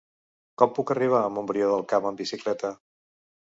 Com puc arribar a Montbrió del Camp amb bicicleta?